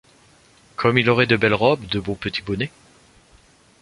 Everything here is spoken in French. Comme il aurait de belles robes, de beaux petits bonnets !